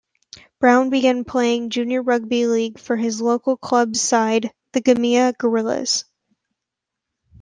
Brown began playing junior rugby league for his local club side the Gymea Gorillas.